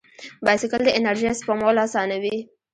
بایسکل د انرژۍ سپمول اسانوي.